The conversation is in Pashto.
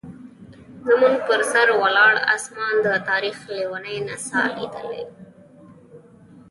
زموږ پر سر ولاړ اسمان د تاریخ لیونۍ نڅا لیدلې.